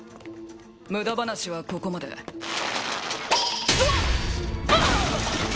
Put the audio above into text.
ムダ話はここまでうわっ！